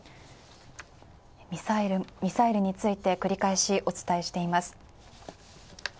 ミサイルについて繰り返しお伝えしています。